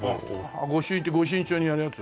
御朱印って御朱印帳にやるやつ？